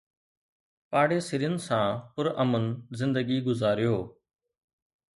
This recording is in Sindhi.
پاڙيسرين سان پرامن زندگي گذاريو